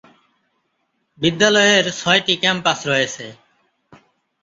বিদ্যালয়ের ছয়টি ক্যাম্পাস রয়েছে।